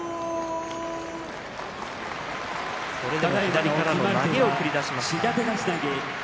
それだけ左からの投げを繰り出しました。